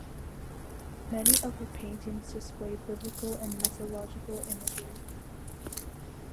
Many of her paintings display biblical and mythological imagery.